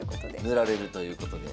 塗られるということで。